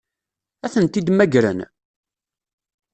Ad tent-id-mmagren?